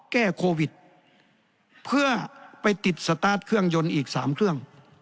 แก้โควิดเพื่อไปติดสตาร์ทเครื่องยนต์อีก๓เครื่อง